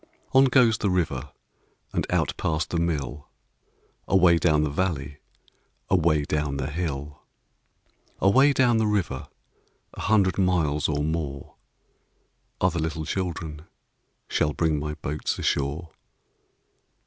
On goes the river And out past the mill, Away down the valley, Away down the hill. Away down the river, A hundred miles or more, Other little children Shall bring my boats ashore.